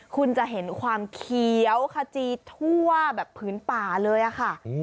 คุณจะเห็นความเขียวขจีทั่วแบบผืนป่าเลยค่ะ